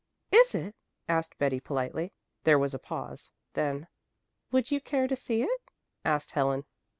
"Is it?" asked Betty politely. There was a pause. Then, "Would you care to see it?" asked Helen.